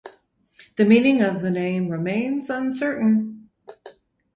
The meaning of the name remains uncertain.